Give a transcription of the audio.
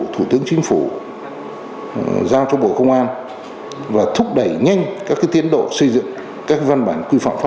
thủ tướng chính phủ